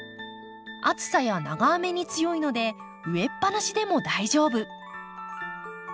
暑さや長雨に強いので植えっぱなしでも大丈夫。